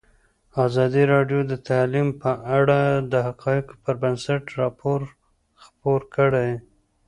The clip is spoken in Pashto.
ازادي راډیو د تعلیم په اړه د حقایقو پر بنسټ راپور خپور کړی.